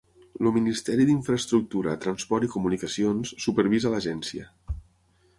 El Ministeri d'Infraestructura, Transport i Comunicacions supervisa l'agència.